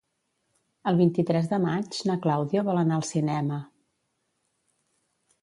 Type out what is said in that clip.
El vint-i-tres de maig na Clàudia vol anar al cinema.